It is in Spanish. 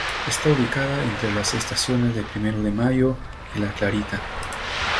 Está ubicada entre las estaciones de Primero de Mayo y La Clarita.